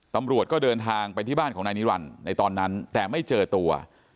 ตำรวจก็เดินทางไปที่บ้านของนายนิรันดิ์ในตอนนั้นแต่ไม่เจอตัว